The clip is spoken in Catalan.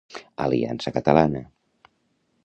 Aliança Catalana.